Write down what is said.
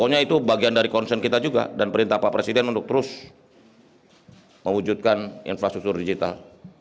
yang mewujudkan infrastruktur digital